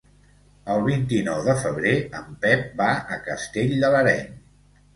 El vint-i-nou de febrer en Pep va a Castell de l'Areny.